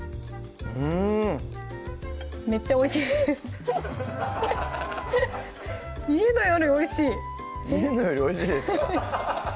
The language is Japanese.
めっちゃおいしいです家のよりおいしい家のよりおいしいですか？